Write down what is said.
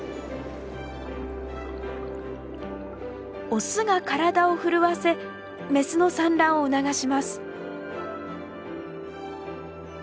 オスが体を震わせメスの産卵を促します。